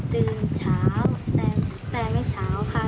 ตื่นเช้าแต่ไม่เช้าค่ะ